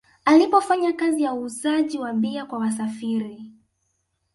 Alipofanya kazi ya uuzaji wa bia kwa wasafiri